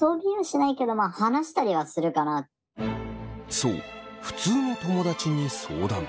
そう普通の友だちに相談。